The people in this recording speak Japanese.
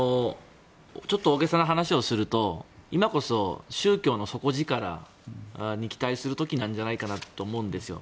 ちょっと大げさな話をすると今こそ宗教の底力に期待する時なのかなと思うんです。